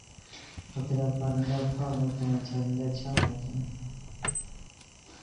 ہتیرا پرندہ پاغ نو کویان چرندہ چاغ نوکونیان